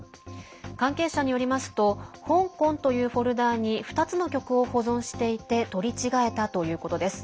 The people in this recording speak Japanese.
関係者によりますと香港というフォルダに２つの曲を保存していて取り違えたということです。